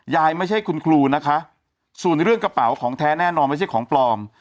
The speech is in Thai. ไม่ใช่คุณครูนะคะส่วนเรื่องกระเป๋าของแท้แน่นอนไม่ใช่ของปลอม